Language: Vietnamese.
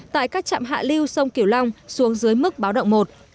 tại các trạm hạ liêu sông kiểu long xuống dưới mức báo động một